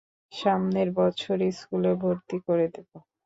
সামনের বছর স্কুলে ভরতি করে দেব।